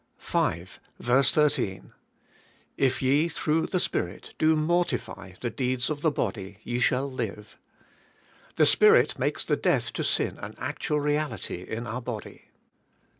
5. Vs. 13. "If ye through the Spirit do mortify the deeds of the body ye shall live." The Spirit makes the death to sin an actual reality in our body.